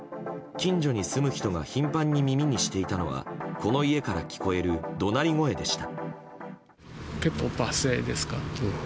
近所に住む人が頻繁に耳にしていたのはこの家から聞こえる怒鳴り声でした。